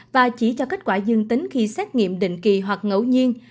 và chỉ cho kết quả dương tính khi xét nghiệm định kỳ hoặc ngẫu nhiên